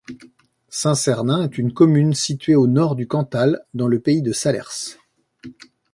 Saint-Cernin est une commune située au nord du Cantal dans le pays de Salers.